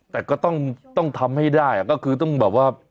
แต่ก็ต้องทำให้ได้ก็คือต้องแบบว่า